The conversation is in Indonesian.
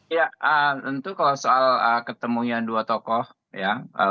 ya tentu kalau soal ketemuan dua tokoh ya bu mega dengan pak prabowo